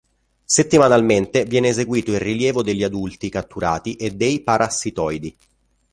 Settimanalmente viene eseguito il rilievo degli adulti catturati e dei parassitoidi.